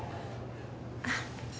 あっ。